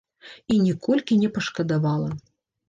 І ніколькі не пашкадавала.